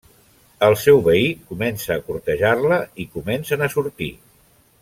El seu veí comença a cortejar-la i comencen a sortir.